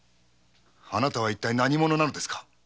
あなたは一体何者ですか？